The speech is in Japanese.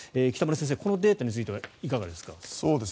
北村先生、このデータについてはいかがですか。